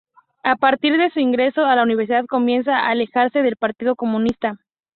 A partir de su ingreso a la universidad, comienza a alejarse del partido Comunista.